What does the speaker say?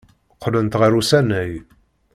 Qqlent ɣer usanay.